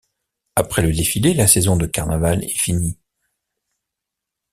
Après le défilé, la saison de carnaval est finie.